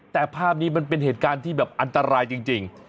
แต่ภาพนี้มันเป็นเหตุการณ์ที่แบบอันตรายจริง